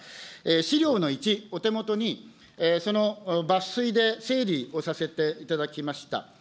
資料の１、お手元にその抜粋で整理をさせていただきました。